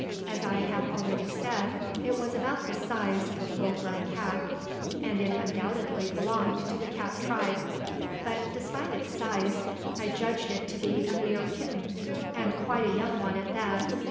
As I have already said, it was about the size of a full grown cat, and it undoubtedly belonged to the cat tribe; but despite its size I judged it to be a mere kitten, and quite a young one at that.